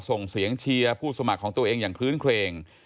ส่งเสียงเชียร์ผู้สมัครของตัวเองอย่างคลื้นเครง